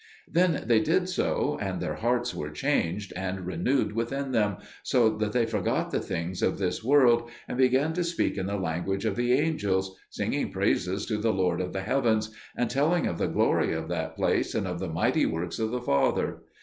Then they did so, and their hearts were changed and renewed within them, so that they forgot the things of this world, and began to speak in the language of the angels, singing praises to the Lord of the heavens, and telling of the glory of that place and of the mighty works of the Father.